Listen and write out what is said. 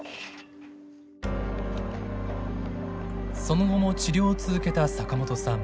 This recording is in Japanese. その後も治療を続けた坂本さん。